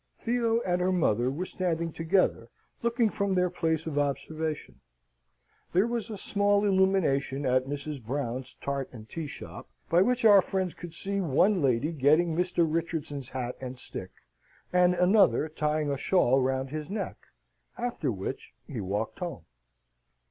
Theo and her mother were standing together looking from their place of observation. There was a small illumination at Mrs. Brown's tart and tea shop, by which our friends could see one lady getting Mr. Richardson's hat and stick, and another tying a shawl round his neck, after which he walked home.